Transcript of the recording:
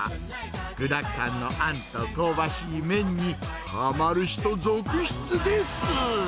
具だくさんのあんと香ばしい麺に、はまる人続出です。